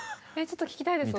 ちょっと聴きたいです